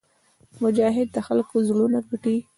مجاهد د خلکو زړونه ګټي.